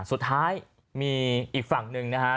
สุดท้ายมีอีกฝั่งหนึ่งนะฮะ